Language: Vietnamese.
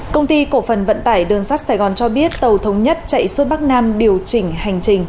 công ty cổ phần vận tải đường sắt sài gòn cho biết tàu thống nhất chạy suốt bắc nam điều chỉnh hành trình